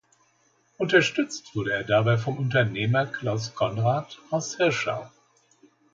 Unterstützt wurde er dabei vom Unternehmer Klaus Conrad aus Hirschau.